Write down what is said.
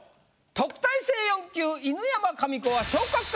特待生４級犬山紙子は。